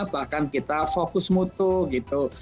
bahkan kita fokus mutu gitu